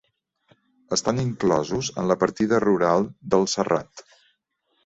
Estan inclosos en la partida rural del Serrat.